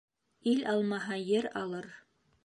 Ил алмаһа, ер алыр.